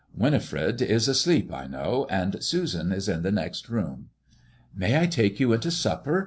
Winifred is asleept I know, and Susan is in the next room." "May I take you into supper?"